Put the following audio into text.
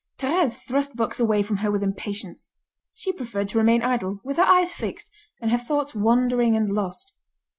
Thérèse thrust books away from her with impatience. She preferred to remain idle, with her eyes fixed, and her thoughts wandering and lost.